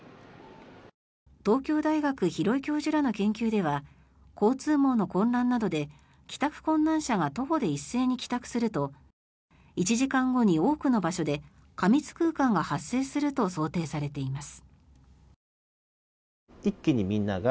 東京大学、廣井教授らの研究では交通網の混乱などで帰宅困難者が徒歩で一斉に帰宅すると１時間後に多くの場所で過密空間が発生すると想定されています。